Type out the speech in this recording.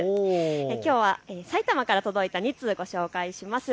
きょうは埼玉から届いた２通をご紹介します。